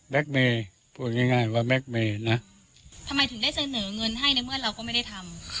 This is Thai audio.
เมย์พูดง่ายว่าแก๊กเมย์นะทำไมถึงได้เสนอเงินให้ในเมื่อเราก็ไม่ได้ทำ